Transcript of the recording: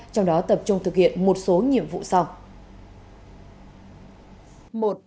trong đó tập trung thực hiện một số nhiệm vụ sau